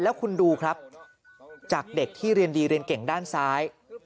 แล้วคุณดูครับจากเด็กที่เรียนดีเรียนเก่งด้านซ้าย